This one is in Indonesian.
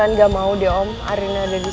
aku mau pergi lima kali